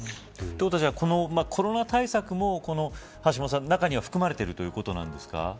ということはコロナ対策も中には含まれているということなんですか。